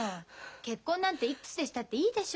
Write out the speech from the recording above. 結婚なんていくつでしたっていいでしょ？